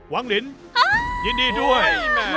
วังลินยินดีด้วย